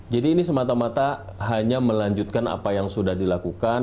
jadi ini semata mata hanya melanjutkan apa yang sudah dikatakan